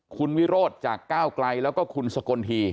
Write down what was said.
คุณวิโรธจากก้าวไกลแล้วก็คุณสกลที